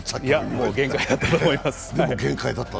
もう限界だったと思います。